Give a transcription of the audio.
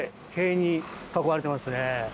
塀に囲われていますね。